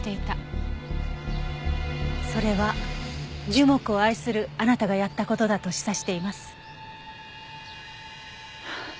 それは樹木を愛するあなたがやった事だと示唆しています。